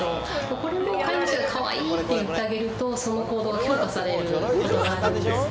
これも飼い主がかわいいって言ってあげるとその行動が強化される事があるんですね。